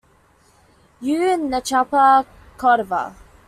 U. Nachappa Codava.